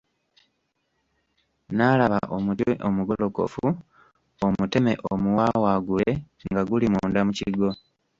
N'alaba omuti omugolokofu omuteme omuwawaagule nga guli munda mu kigo.